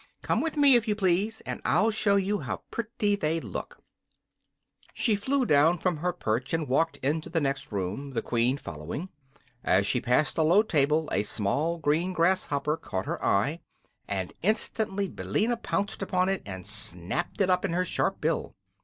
Come with me, if you please, and I'll show you how pretty they look." She flew down from her perch and walked into the next room, the Queen following. As she passed a low table a small green grasshopper caught her eye, and instantly Billina pounced upon it and snapped it up in her sharp bill.